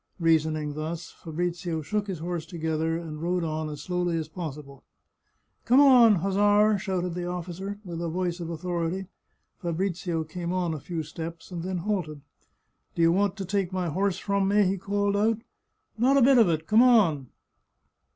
Reasoning thus, Fabrizio shook his horse together and rode on as slowly as possible. " Come on, hussar !" shouted the officer, with a voice of authority. Fabrizio came on a few steps, and then halted. " Do you want to take my horse from me ?" he called out. " Not a bit of it ! Come on